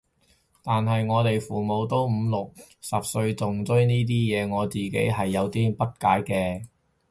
但係我哋父母都五六十歲仲追呢啲嘢，我自己係有啲不解嘅